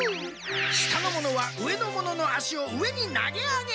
下の者は上の者のあしを上に投げ上げる。